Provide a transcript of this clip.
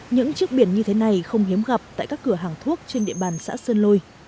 những chiếc biển như thế này không hiếm gặp tại các cửa hàng thuốc trên địa bàn xã sơn lôi